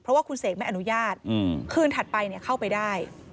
เพราะว่าคุณเสกไม่อนุญาตคืนถัดไปเข้าไปได้